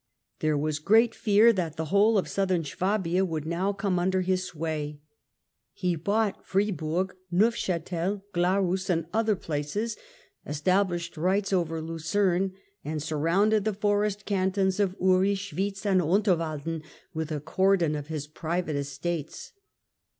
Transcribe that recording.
There was great fear that the whole of Southern Swabia would now come under his sway : he bought Friburg, Neufchatel, Glarus and other places, established rights over Lucerne, and sur rounded the Forest Cantons of Uri, Schwitz and Unter walden, with a cordon of his private estates.